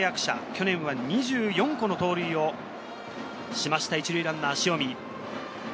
去年は２４個の盗塁をしました、１塁ランナー・塩見。